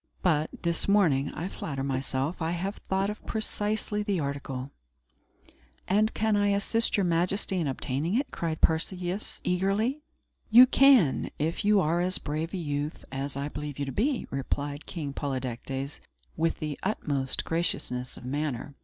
But, this morning, I flatter myself, I have thought of precisely the article." "And can I assist Your Majesty in obtaining it?" cried Perseus, eagerly. "You can, if you are as brave a youth as I believe you to be," replied King Polydectes, with the utmost graciousness of manner.